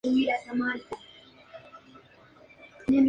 Es asimismo un componente traza del tabaco.